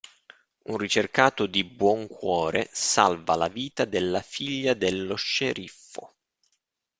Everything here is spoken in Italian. Un ricercato di buon cuore salva la vita della figlia dello sceriffo.